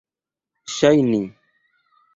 ŝajni